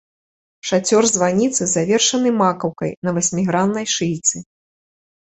Шацёр званіцы завершаны макаўкай на васьміграннай шыйцы.